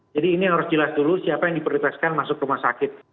jadi ini harus jelas dulu siapa yang diperliteskan masuk rumah sakit